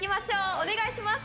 お願いします。